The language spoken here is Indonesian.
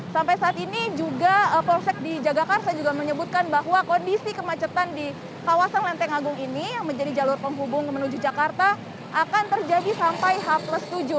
sampai saat ini juga polsek di jagakarsa juga menyebutkan bahwa kondisi kemacetan di kawasan lenteng agung ini yang menjadi jalur penghubung menuju jakarta akan terjadi sampai h tujuh